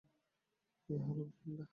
এই হলো গ্লেন্ডা।